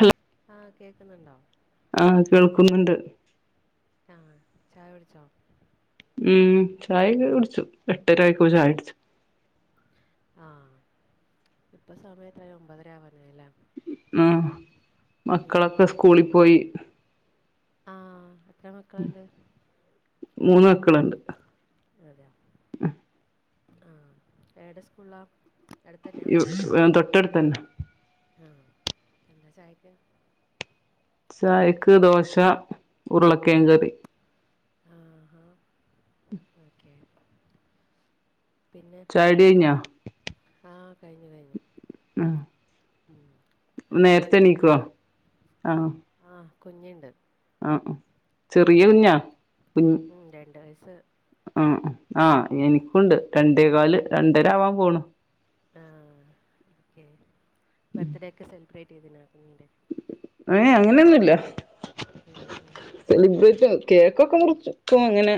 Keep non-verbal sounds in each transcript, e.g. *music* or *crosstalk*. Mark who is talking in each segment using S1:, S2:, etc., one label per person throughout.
S1: Hello
S2: ആ കേക്കുന്നുണ്ടോ
S1: ആഹ് കേൾക്കുന്നുണ്ട്
S2: ആഹ് ചായ കുടിച്ചോ
S1: എട്ടരയ്പോ ചായുട്ച്ച്
S2: ആഹ് ഇപ്പ സമയെത്രായി ഒമ്പതര ആവനായില്ലേ
S1: മ്
S2: ഉം
S1: മക്കളൊക്കെ സ്കൂളിപോയി
S2: *unintelligible*
S1: മൂന്ന് മക്കളുണ്ട്
S2: ആ ഏടെ സ്കൂളാ
S1: *unintelligible* തൊട്ട *unintelligible* തന്ന
S2: ആ എന്താ ചായക്ക്
S1: ചായക്ക് ദോശ ഉരുളക്കേ കറി
S2: ആഹാ ഓക്കെ *inaudible* പിന്നെ
S1: ചായുടി കഴിഞ്ഞോ
S2: ആഹ കഴിഞ്ഞു കഴിഞ്ഞു
S1: ആഹ്
S2: എനക്ക് ന്ക്കൊരു
S1: നേരത്തെ എണീക്കുവോ
S2: കുഞ്ഞുണ്ട് ആ കുഞ്ഞുണ്ട്
S1: ആ ആ
S2: ഉം
S1: ചെറിയ കുഞ്ഞാ കുഞ്ഞ
S2: ഉം രണ്ട് വയസ്സ്
S1: ആ ആഹ
S2: ഉം
S1: എനിക്കുണ്ട് രണ്ട് *unintelligible* കാല് രണ്ടര ആവാൻ പോണ്
S2: ആ ഓക്കെ ബർത്ത് ഡേക്ക് സലിബ്രേറ്റ് *unintelligible*
S1: ഏ അങ്ങനെയൊന്നുമില്ല
S2: മ് മ്
S1: കേക്കക്ക മുർച്ചു *unintelligible* അങ്ങനെ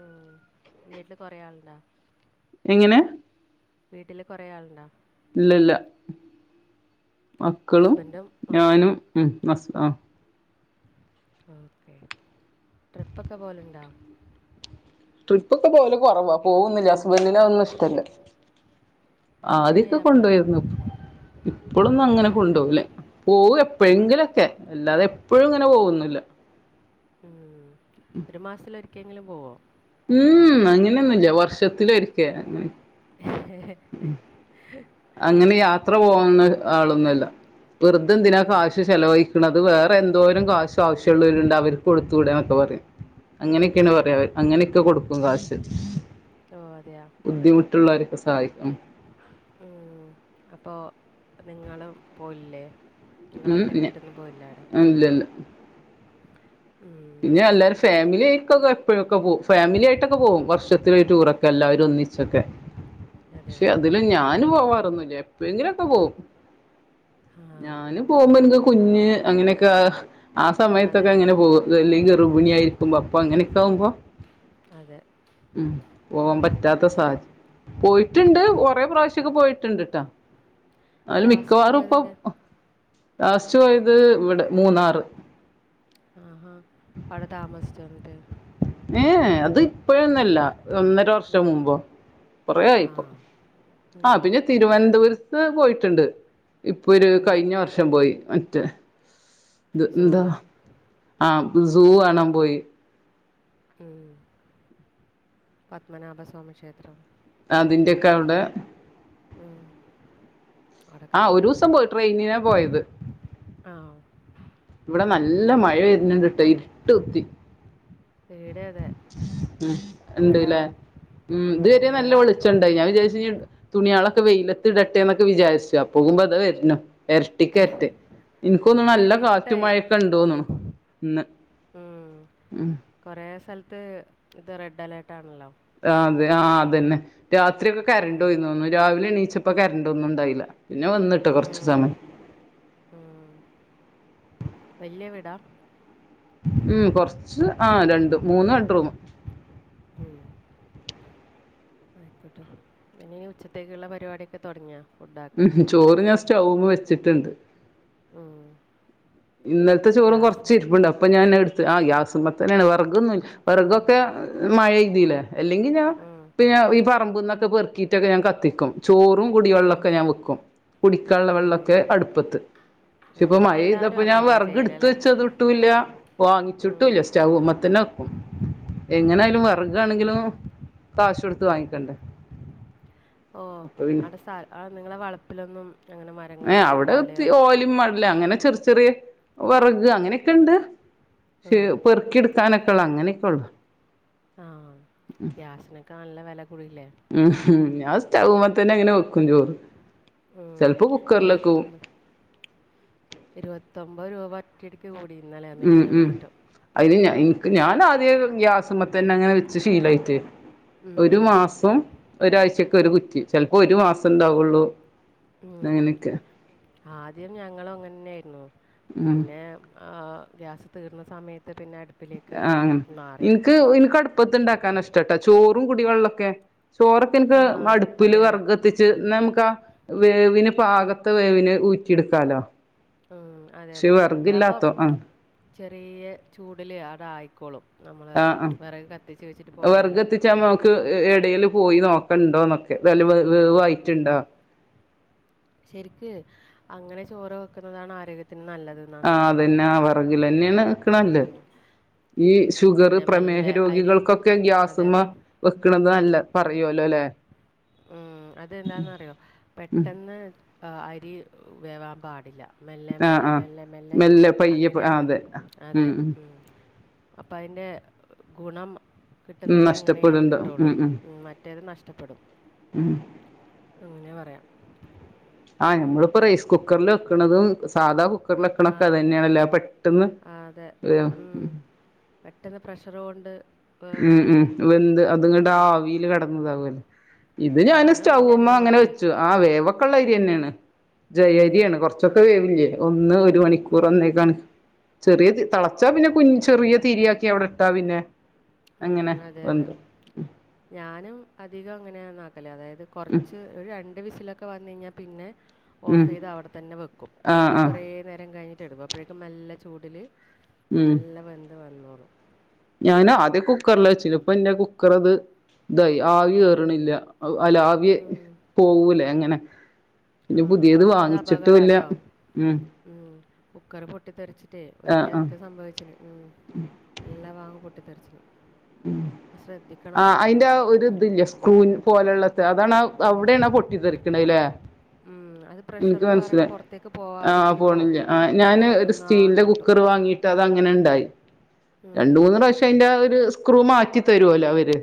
S2: ഉം വീട്ടില് കൊറെേ ആളുണ്ടാ
S1: എങ്ങനെ
S2: വീട്ടില് കൊറെേ ആളുണ്ടാ
S1: ഇല്ല ഇല്ല *inaudible* മക്കളും
S2: ഹസ്ബൻഡും
S1: ഞാനും
S2: മക്കളും
S1: *unintelligible*
S2: ഓക്കേ ട്രിപ്പൊക്കെ പോലെുണ്ടോ
S1: ട്രിപ്പ് ഒക്കെ പോലെ കുറവാ പോകു *unintelligible* *unintelligible* ഒന്നും ഇഷ്ടല്ല
S2: ഏ
S1: ആദ്യൊക്കെ
S2: അപ്പൊ അത്
S1: കൊണ്ടുപോയിരുന്നു ഇപ്പഴൊന്നും
S2: അതെയ
S1: അങ്ങനെ കൊണ്ടുപോവലേ പോക
S2: മ
S1: എപ്പോഴെങ്കിലൊക്കെ അല്ലാതെ എപ്പോഴും ഇങ്ങനെ പോകുന്നില്ല
S2: മ് ഒരു മാസൽ ഒരിക്കെങ്കിലും പോവോ
S1: മ് അങ്ങനെയൊന്നുല്ല വർഷത്തിലരിക്ക *unintelligible*
S2: *unintelligible*
S1: അങ്ങനെ യാത്ര പോകുന്ന ആളൊന്നുല്ല വെറതെന്തിനാ
S2: അതെയോ
S1: കാശ് ചെലവഴിക്കണുന്നത് *unintelligible* എന്തോരം കാശോ ആവശ്യമുള്ളവലണ്ട് അവർക്ക് കൊടുത്ത്കൂടന്നൊക്കെ പറയും അങ്ങനെയൊക്കെയാണ് പറയാ അങ്ങനെയൊക്കെ കൊടുക്കും കാശ്
S2: ഓ അതെയോ
S1: ബുദ്ധിമുട്ടുള്ളവരൊക്കെ സഹായിക്കും
S2: ഉം അപ്പൊ നിങ്ങളും പോ ല്ലേ
S1: ഉം ല ഇല്ലല്ല
S2: ഉം
S1: പിന്നെ എല്ലാരും ഫാമിലി *unintelligible* എപ്പോഴൊക്കെ പോവും ഫാമിലി ആയിട്ടൊക്കെ പോകവും വർഷത്തി ഒരു ടൂറൊക്കെ എല്ലാവരും ഒന്നിച്ചൊക്കെ പക്ഷെ
S2: അതെയാ
S1: അതില് ഞാന്ും പോവാ *unintelligible* എപ്പോയെങ്കിലുംകെ പോവും
S2: ആ
S1: ഞാന് പോകുമ്പോ എക്ക് കുഞ്ഞ് അങ്ങനെയൊക്കെ ആ
S2: അതെ
S1: സമയത്തൊക്കെ
S2: അതെ
S1: അങ്ങനെ പോവുക *unintelligible* ഗർവിണി യായിരിക്കുമ്പോ പ്പാ എ അങ്ങനക്കാവുമ്പോ
S2: അതെ
S1: ഉ പോവാൻ പറ്റാത്ത
S2: ഉം
S1: *unintelligible* പോയി ഇട്ടുണ്ട് ഒറെേ പ്രാവശ്യൊക്കെ പോയിട്ടുണ്ട് ട്ടാ അതില്
S2: ലാസ്റ്റ്
S1: മിക്കവാറും
S2: പോയത്
S1: ഇപ്പൊ
S2: എവിടെ
S1: ലാസ്റ്റ് പോയത് ഇവിടെ മൂന്നാറ്
S2: ആ ആ ആടെ താമസിച്ചോ പോ
S1: ഏഹ അത് ഇപ്പോഴൊന്നല്ല ഒന്നര
S2: ഉം
S1: വർഷം മുമ്പോ
S2: ആ
S1: കൊറയായിപ്പൊ ആ
S2: ഉം
S1: പിന്നെ തിരുവനന്ത ദൂരത്തു പോയിട്ടുണ്ട് ഇപ്പൊ ഒരു
S2: ഉം
S1: കഴിഞ്ഞ വർഷം പോയി റ്റ് ഇ എന്താ
S2: സൂവിലോ
S1: ആ സൂ കാണാൻ പോയി
S2: ഉം പത്മനാഭസ്വാമി ക്ഷേത്രം
S1: അതിന്റെയൊക്കെ അവിടെ
S2: ഉ
S1: ആ ഒരു ദിവസം പോയി ട്രെയിൻ പോയത്
S2: ആ
S1: ഇവിടെ നല്ല മഴ
S2: ഓക്കെ
S1: വരുന്നിടണ്ടുട്ടോ ഇരുട്ട് കുത്തി
S2: ഇവിടെ അതെ
S1: മ്
S2: മഴ
S1: ഇണ്ട്ല്ലേ മ്
S2: ഉം,
S1: ഇതുവരെ
S2: മഴ
S1: നല്ല വെളിച്ചുണ്ടായി ഞാൻ വിചാരിച്ച തുണിയളൊക്കെ വെയിലത്തിട ന്നൊക്കേ വിചാരിച്ചു അപ്പോകുമ്പ തേ വര്ന്നു എരട്ടിക്കരറ്റ് ൻക്കോന്ന്ണു നല്ല
S2: ഇവിടെ
S1: കാറ്റു
S2: ഇരുട്ടായി
S1: മഴയൊക്കേണ്ടോന്ന്ണു ഇന്ന്
S2: ഉം,
S1: ഉമ്
S2: കുറേ സ്ഥലത്ത് ഇത് റെഡ് അലേർട്ട് ആണല്ലോ
S1: ആഹ് അതെ ആഹ് അതന്നെ രാത് ക്കെ കരണ്ട്
S2: ഉം,
S1: പോയീന്ന് തോന്നുന്നു രാവിലെണീച്ച് ഇപ്പ കരണ്ട് ഒന്നും ഉണ്ടായില്ല പിന്നെ വന്നിട്ട് കൊറച്ച്
S2: ഉം,
S1: സമയം
S2: ഉം. വലിയ വീടാ
S1: ഉം കൊറച്ച് ആഹ് രണ്ട് മൂന്ന് ബെഡ്‌റൂം
S2: ഉമ് ആയിക്കോട്ടെ ഇനി ഉച്ചത്തേക്കുള്ള പരിപാടിയൊക്കെ തൊടങ്ങിയാ
S1: ഉമ് ഹം ചോറ് ഞാ സ്റ്റവു വ വച്ചിട്ടുണ്ട്
S2: ഉമ്
S1: ഇന്നലത്തെ ചോറും കൊറച്ച് ഇരിപ്പുണ്ട് അപ്പൊ ഞാൻ എടു ആ ഗ്യാസുമേ തനെയാണ് വർ കൊന്നു വറഗൊക്കെ മഴ ഇയ്തില്ലേ അല്ലെങ്കിൽ ഞാൻ പിന്നെ ഈ പറമ്പിൽന്നൊക്കെ പെറുക്കിട്ടൊക്കെ ഞാൻ കത്തിക്കും ചോറും കുടിവെളൊക്കെ ഞാൻ വെക്കും കുടിക്കാനുള്ള വെള്ളമൊക്കെ അടുപ്പത്ത് പക്ഷെ ഇപ്പൊ മഴ
S2: എല്ലാവരും
S1: പെയ്തപ്പൊ ഞാ
S2: അങ്ങനെ
S1: വെർഗ എടുത്ത്
S2: ചെയ്യലല്ലേ
S1: വെച്ചത് ഇട്ടൂല്ല
S2: ഉം,
S1: വാങ്ങിച്ചിട്ടൂല്ല സ്റ്റവ് മ പത്തനക്കും എങ്ങനെ അയാ ലും
S2: ഉം.
S1: വെറുക് ആണെങ്കിലും കാശ് കൊടുത്ത് വാങ്ങിക്കണ്ടേ
S2: ഓ
S1: അപ്പൊ
S2: അടെസ അ നിങ്ങളെ വളപ്പിലൊന്നും അങ്ങനെ
S1: ങേ
S2: മരങ്ങളോ
S1: അവിടെ ഒത്തി
S2: ഓലയോ
S1: ഓലി മള് ല്ല അങ്ങനെ ചെറ് ചെറിയ വെറക് അങ്ങനെക്കെ ഇണ്ട് ശ്
S2: ഉം
S1: പെറുക്കിടുക്കാനൊക്കെ അങ്ങനെക്കെ ഉള്ളോ
S2: ആഹ് ഗ്യാസിനൊകെ നല്ല വേല
S1: മ്‌ ഹ് അത് സ ചൗ മത്തനെ നിങ്ങനെ
S2: ഉമ്
S1: കുക്കറിലൊക്കെവും
S2: ഇരുപത്തൊന്ന് ഇരുപത്തൊൻമ്പത് രൂപ കിടക്ക കൂടി ഇന്നലെയോ
S1: ഉമ്
S2: മിനിഞ്ഞാന്നോ
S1: ഉമ്
S2: മറ്റോ
S1: അതിന് ഞാൻ എനിക്ക് ഞാനാദ്യ ഗ്യാസമത്തന്നെ അങ്ങനെ വെച്ച് ശീലയിട്ട്
S2: ഉം
S1: ഒരു മാസം ഒരാഴ്ച ഒരു കുറ്റി ചിലപ്പോ ഒരു മാസം ഉണ്ടാവുള്ളൂ.
S2: ഉം,
S1: അങ്ങനെയൊക്കെ
S2: ആദ്യം ഞങ്ങളും അങ്ങനന്നെയായിരുന്നു,
S1: ഉം
S2: പിന്നെ ആ, ഗ്യാസ് തീർന്ന സമയ
S1: ആ എനിക്ക്, എനിക്ക് അടുപ്പത്ത് ഉണ്ടാക്കാന ഇഷ്ടാട്ടാ ചോറും കുടിവെള്ള ക്കെ ചോറൊക്കെ എനിക്ക്
S2: ആഹ്
S1: അടുപ്പില്
S2: അതെ അതെ
S1: വിറക് കത്തിച്ച്, നമുക്ക് ആ വേവിന് പാക അത് വേവിന് ഊറ്റിയെടുക്കാലോ
S2: അതെ അതെ അതാവുമ്പം
S1: ആഹ്
S2: ചെറിയ ചൂടിലെ അത് ആയിക്കോളും
S1: ആ, ആ വിറക്
S2: പോയാലും
S1: കത്തിച്ചാ നമുക്ക് എടേലും പോയി നോക്കണ്ടോ വെലവ്
S2: ഉം
S1: വേവായിട്ടുണ്ടാ
S2: ശരിക്ക് അങ്ങനെ ചോറ് വെക്കുന്നതാണ് ആരോഗ്യത്തി
S1: ആ അതന്നെ, ആ വിറകിൽ തന്നെയാണ് വെക്കണ നല്ലേ.
S2: ഉം
S1: ഈ ഷുഗർ
S2: പിന്നെ
S1: പ്രമേഹ
S2: മെല്ലെ അരി
S1: രോഗികൾക്കൊക്കെ ഗ്യാസ്
S2: അതെ അതെ
S1: മ്മെ വെക്കണതാല്ല പറയുവല്ലോ അല്ലെ
S2: ഉം, അതെന്താന്നറിയോ?
S1: ഉം
S2: പെട്ടെന്ന് അരി വേവാൻ പാടില്ല മെല്ലെ
S1: ആഹ്
S2: മെല്ലെ
S1: ആഹ്
S2: മെല്ലെ മെല്ലെ
S1: പയ്യെ
S2: അങ്ങനെയാ
S1: ആഹ്
S2: പോലും,
S1: അതെ
S2: അതെ ഉം അപ്പൊ അതിന്റെ ഗുണം
S1: ഉം
S2: കിട്ടുന്നത് ഇങ്ങനെ
S1: നഷ്ടപ്പെട്ണ്ട് ഉം
S2: കിട്ടുള്ളൂ,
S1: ഉം
S2: മറ്റേത് നഷ്ടപ്പെടും
S1: ഉം
S2: അങ്ങനെ പറയാം
S1: നമ്മളിപ്പോ റൈസ് കുക്കറിൽ വെക്കണതും സാധാ കുക്ക് വെക്കണൊക്കെ അത് തന്നെണല്ലോ, പെട്ടെന്ന്
S2: ആ അതെ ഉം, പെട്ടെന്ന് പ്രഷർ കൊണ്ട്
S1: ഉം, ഉം
S2: വേവുന്നല്ലേ
S1: വെന്ത്, അതങ്ങട്ട്
S2: ഉം
S1: ആവിലെ കിടന്ന് വേവൂവല്ലെ ഇത് ഞാന്
S2: ഞാനും
S1: സ്റ്റൗവ്വുമ്മേ
S2: അധികം
S1: അങ്ങനെ
S2: വെക്കല്.
S1: വെച്ചു, ആ വേവ കൊള്ളം അരി തന്നെയാണ് ജയ
S2: ഉം.
S1: അരിയാണ് കുറച്ചൊക്കെ വേവി ഒന്ന് വെ ഒരു മണിക്കൂർ
S2: ഉം.
S1: ഒന്നേകാൽ ചെറിയ, തിളച്ചാ പിന്നെ കു ചെറിയ തിരിയാക്കി അവിടെ ഇട്ടാ പിന്നെ അങ്ങനെ
S2: ഉം. അതെ, അതെ.
S1: വെന്തു
S2: ഞാനും അധികം അങ്ങനെയാ ആ നാട് *unintelligible* അതായത്
S1: ഉം
S2: കുറച്ച് ഒരു രണ്ട് വിസിലൊക്കെ വന്ന് കഴിഞ്ഞാ പിന്നെ ഓഫ്
S1: ഉം
S2: ചെയ്ത് അവിടെ തന്നെ വെക്കും അപ്പ
S1: ആഹ്
S2: എന്നിട്ട്
S1: ആഹ്
S2: കുറെേ നേരം കഴിഞ്ഞ് ട്ടിടും അപ്പോഴേക്കും നല്ല ചൂടില്
S1: ഉം
S2: നല്ല വെന്ത് വ ന്നോളും
S1: ഞാൻ ആദ്യം കുക്കറില് വച്ചിന് ഇപ്പ എൻ്റെ കുക്കർ അത് ഇതായി ആവി കേറ്ണില്ല. അതില് ആവി
S2: ഉം.
S1: പോവൂലേ അങ്ങനെ
S2: ആ
S1: ഇനി പുതിയത്
S2: പക്ഷെ അത്
S1: വാങ്ങിച്ചിട്ടൂല്ല ഉം.
S2: കുക്കർ പൊട്ടിത്തെരിച്ച് റ്റ് ഒരിക്ക
S1: ആഹ് ആഹ്
S2: അതൊക്കെ സംഭവിച്ചന് ഉം എല്ലാ വാങ്ങ പൊട്ടി തെറിച്ച്
S1: ഉം ആഹ് അതിന്റെ ഒരു
S2: കുക്കറില്.
S1: ഇതില്ലേ സ്ക്രൂ പോലുള്ളത് താ അതാണ
S2: ഉം.
S1: അവിടെണ് പൊട്ടിത്തെറിക്കണല്ലേ
S2: ഉം. അത് പ്രഷർ
S1: എനിക്ക്
S2: കാരണം
S1: മനസ്സിലായി
S2: പുറത്തേക്ക്
S1: ആഹ്
S2: പോവാതിരിക്കുമ്പോ
S1: പോണില്ല ആഹ് ഞാൻ ഒരു
S2: ഒന്നാകെ
S1: സ്റ്റീലിന്റെ
S2: പൊട്ടും.
S1: കുക്കർ വാങ്ങീട്ട് അത് അങ്ങനെ ഉണ്ടായി.
S2: ഉം.
S1: രണ്ട് മൂന്ന് പ്രാവശ്യം അതിൻ്റെ ഒരു സ് സ്ക്രൂ മാറ്റി തരുവല്ലോ അവര്.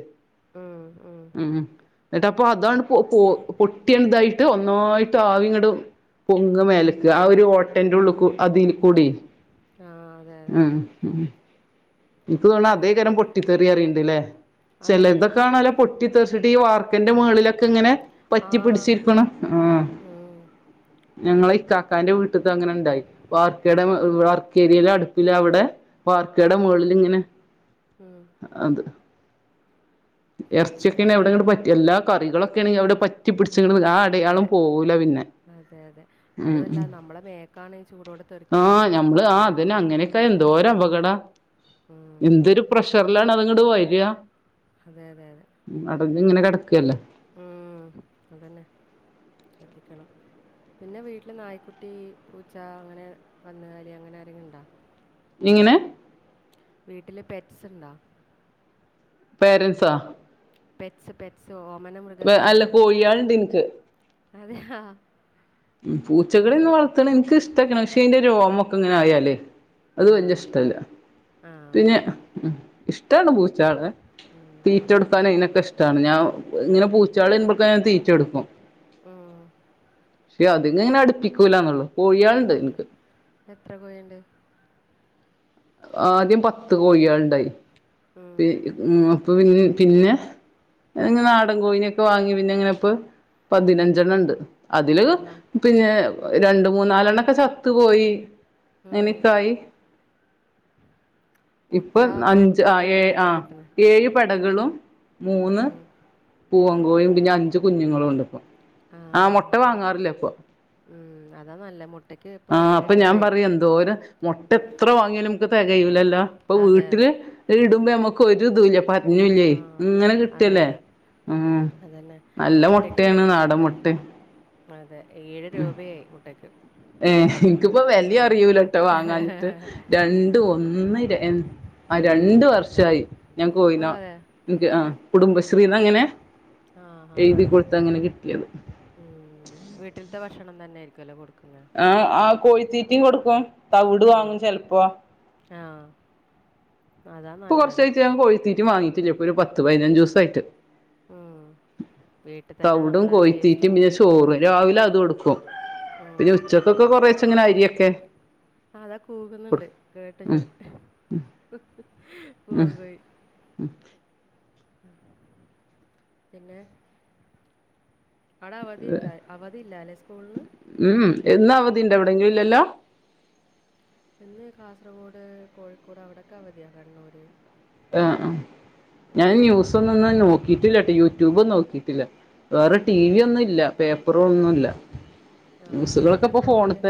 S2: ഉം ഉം.
S1: എന്നിട്ട് അപ്പൊ അതാ പൊട്ടിയണ ഇതായിട്ട് ഒന്നായിട്ട് ആവിങ്ങട് പൊങ്ങ മേലക്ക് ആ ഒരു ഓട്ടന്റെ ഉള്ളിൽ അതിൽ കൂടി
S2: ആ അതെ അതെ.
S1: ഉം ഉം. എനിക്ക് തോണാ
S2: വീട്ടില്
S1: അതേക്കാരം
S2: പിന്നെ
S1: പൊട്ടിത്തെറി അറിയണ്ട്ല്ലേ
S2: അതെ
S1: ചില
S2: അതെ.
S1: ഇതൊക്കെ നല്ല പൊട്ടിത്തെറി വച്ചിട്ട് വാർക്കൻ്റെ മേളിലൊക്കെ ഇങ്ങനെ
S2: ആ.
S1: പറ്റിപിടിച്ചിരിക്കണ് ആഹ്.
S2: ഉം.
S1: ഞങ്ങളെ ഇക്കാക്കാന്റെ വീട്ട് ത്തഅങ്ങനെ വാർക്ക
S2: ആ.
S1: വാർക്കേരിയില അടു പിന്നെ അവിടെ
S2: ആ.
S1: വാർക്കേടേ മോളി ങ്ങനെ
S2: ഉം.
S1: അത്
S2: ശ
S1: ഇറച്ചിയൊക്കെ എവിടെങ്ങ
S2: ശ്രദ്ധിക്കണം.
S1: പറ്റ എല്ലാ കറിക ക്ക്ണങ്കി പറ്റി പിടി ച്ച്ക്ക്ണ് ആ അടയാളും പോകൂല പിന്നെ. ഉം
S2: അതുമല്ല
S1: ഉം
S2: നമ്മടെ മേക്കാണ് ചൂടോടെ തെറിക്കുന്നെങ്കിലേ പൊള്ളല്
S1: ഒരാപകടാ. എന്തൊരു പ്രഷർ *unintelligible* അതിങ്ങാട് വരിയാ.
S2: അതെ അതെ അതെ.
S1: അടഞ്ഞ് ഇങ്ങനെ കിട ക്കല്ലേ.
S2: എത്തിക്കണം പിന്നെ വീട്ടില് നായ്ക്കുട്ടി, പൂച്ച അങ്ങനെ കന്നുകാലി അങ്ങനെ ആരെങ്കിലും ഇണ്ടാ?
S1: നിങ്ങ്നെ.
S2: വീട്ടില് പെറ്റ്സ് ഇണ്ടാ.
S1: പേരൻസാ.
S2: Pets pets. ഓമന
S1: വെ അല്ല
S2: മൃഗങ്ങളില്ലേ
S1: കോഴികളെണ്ട് ഇനിക്ക്.
S2: അതെ ഹ.
S1: പൂച്ചകളെന്നും വളർത്തണ എനിക്ക് ഇഷ് *unintelligible* രോമക്കെ ഇങ്ങനെ ആയാല്. അത്
S2: ആ
S1: വല്ല്യ ഇഷ്ടല്ല.
S2: ആ
S1: പിന്നെ ഉം ഇഷ്ടമാണ് പൂച്ചകളെ.
S2: ഉം,
S1: തീറ്റെടുക്കാനും അതിനൊക്കെഷ് *unintelligible* ഞാൻ ഇങ്ങനെ പൂച്ചകളെ *unintelligible* ഞാൻ തീറ്റൊടുക്കും.
S2: ഉം
S1: പക്ഷെ അതിനെങ്ങനെ അടുപ്പിക്കൂലന്നുള്ളു.
S2: ഉം എത്ര കോഴിണ്ട്.
S1: ആദ്യം പത്ത് കോഴികൾ ഇണ്ടായി.
S2: ഉം,
S1: *unintelligible* *unintelligible* പിന്നെ നാടൻ കോഴിനൊക്കെ വാങ്ങി. പിന്നെ ഇങ്ങനെ ഇപ്പ പതിനഞ്ചെണ്ണം ഉണ്ട്. അതില്
S2: ആഹാ
S1: പിന്നെ. രണ്ടും. മൂന്നാലെണ്ണൊക്കെ ചത്തു പോയി
S2: ഉം.
S1: അങ്ങനെക്കായി. ഇപ്പൊ
S2: മുട്ട അപ്പം
S1: അഞ്ച് ആ
S2: വീട്ടിൽ
S1: ഏ
S2: നിന്ന്
S1: ആ
S2: തന്നെ കിട്ടുന്നു
S1: ഏഴ് പെ *unintelligible* മൂന്ന്.
S2: ഉം,
S1: പൂവൻ കോഴിയും, പിന്നെ അഞ്ചു കുഞ്ഞുങ്ങളും ഉണ്ട് ഇപ്പൊ. ആ
S2: ആഹ്
S1: മുട്ട
S2: ആഹ്
S1: വാങ്ങാറില്ല ഇപ്പൊ
S2: ഉം അതാ നല്ല മുട്ടക്ക് ഇപ്പൊ
S1: ആഹ്
S2: ഏഴ്
S1: ഞാൻ
S2: രൂപയായി.
S1: പറയും എന്തോരം മുട്ട ഇപ്പ് എത്ര വാങ്ങിയാലുംനമുക്ക് തികയുല്ലല്ലോ അപ്പൊ
S2: അതെ
S1: വീട്ടില്
S2: അതെ
S1: ഇടും. *unintelligible* ഞമ്മക്ക് ഒരു ഇതൂല്ല പ
S2: ആ
S1: ഇലിൽല്ലേയ് ഇങ്ങനെ
S2: അതെ
S1: കിട്ടല്ലേ
S2: അതെ
S1: ഉം
S2: അതന്നെ
S1: നല്ല
S2: മുട്ടയ്ക്ക്
S1: മൊട്ടേണ് നാടമ്മൊട്ട
S2: അതെ ഏഴ്
S1: ഉം
S2: രൂപയായി മുട്ടയ്ക്ക്
S1: ഏ നിക്കിപ്പോ വെല്ലി
S2: ആ
S1: അറിയൂലട്ടോ വാങ്ങാഞ്ഞിട്ട് രണ്ട് ഒന്ന് എ ആ രണ്ട് വർഷായി ഞാൻ
S2: ഓ
S1: കോയിന
S2: അതെ
S1: ണ്ട് ആ
S2: ഉം,
S1: കുടുംബശ്രീന്ന് അങ്ങനെ
S2: ആ ആ
S1: എഴുതി കൊടുത്ത് അങ്ങനെ കിട്ടിയത്
S2: ഉം വീട്ടിൻത്തെ ഭക്ഷണം തന്നെയ്ര്ക്കു അല്ലെ കൊടുക്ക്
S1: ആ ആ കോഴിത്തീറ്റിം കൊടുക്കും തവ്ട് വാങ്ങും ചെൽപ്പൊ
S2: ആ
S1: പ്പൊ കൊർച്ചായ്റ്റ് ഞാൻ കൊഴിത്തീറ്റി വാങ്ങീക്കിലും ഒരു പത്ത് പയ്നഞ്ചൂസയ്ട്ട്
S2: ഉം. വീട്ടിൽ തന്നെ
S1: തവ്ടും
S2: നമ്മളെ
S1: കോഴിത്തീറ്റിം
S2: വേസ്റ്റും
S1: പിന്നെ ചോറു
S2: അതൊക്കെയില്ലേ.
S1: രാവിലെ അത് ഒടുക്കും
S2: ഉം.
S1: പിന്നെ ഉച്ചക്കൊക്കെ കൊറേച്ചങ്ങനെ അരിയൊ ക്കെ
S2: അതാ കൂകുന്നുണ്ട് കേട്ടു ഞാൻ
S1: ഉം
S2: പൂവങ്കോയി പിന്നെ അവടെ അവധിണ്ടയ് അവധി ല്ലാല്ലെ സ്കൂൾന്
S1: ധിണ്ടവ്‌ടെ ഞില്ലല്ലോ
S2: പിന്നെ കാസറ്ഓഡ് കോഴിക്കോട് അവിടൊക്കവധിയ കണ്ണൂര്
S1: ആ അ
S2: ഉം
S1: ഞാൻ
S2: മലബാർ
S1: ന്യൂസ് ഒന്നുങ്ങനെ
S2: സൈഡില്.
S1: നോക്കീട്ടില്ലട്ടൊ യൂട്യൂബ് നോ കിട്ടില്ല വേറെ ടി വി
S2: ഉം.
S1: ഒന്നുല്ല പേ പ്പുറൊന്നുല്ല
S2: ആ ഇപ്പാ എല്ലാം ഫോണില്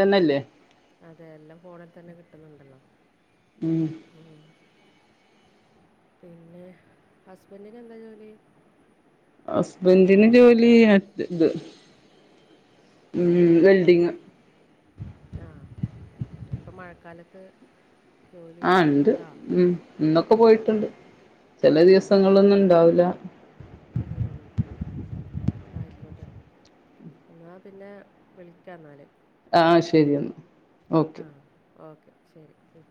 S2: അതെ എല്ലാം ഫോണിൽ തന്നെ കിട്ടുന്നുണ്ടല്ലൊ
S1: ഉം
S2: ഉം പിന്നെ ഹസ്ബെൻ്റിന് എന്താ ജോലി
S1: ഹസ്ബൻ്റിന് ജോലി ആത്ണ്ട് ഉം വെൽഡിങ്ങ്
S2: ആ അയ്ക്കോട്ടെ പ്പ മഴക്കാലത്ത് ജോലി
S1: ആ ണ്ട്
S2: ഉണ്ടോ
S1: ഉം ഇന്നൊക്കെ
S2: ഉം,
S1: പോയിട്ടുണ്ട് ചെല
S2: അതെയോ
S1: ദിവസങ്ങളൊന്നുണ്ടാവൂല
S2: ന്നാ പിന്നെ വിളിക്കാ ന്നാല്
S1: ആ ശരി എനാ
S2: ആ ഓക്കെ ശരി ഉം